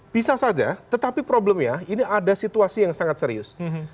bisa saja tetapi problemnya ini ada situasi yang sangat serius